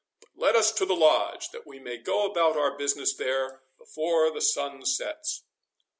But let us to the Lodge, that we may go about our business there before the sun sets."